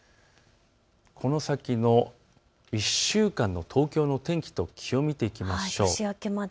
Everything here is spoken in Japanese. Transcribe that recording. この先の１週間の東京の天気と気温を見ていきましょう。